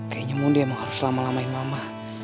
kayaknya mondi emang harus lama lamain mama